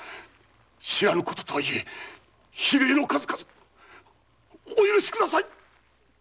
知らぬこととはいえ非礼の数々お許しください！